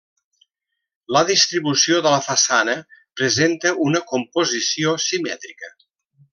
La distribució de la façana presenta una composició simètrica.